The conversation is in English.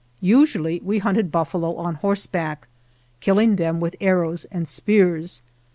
Usually we hunted buffalo on horseback, killing them with arrows and spears.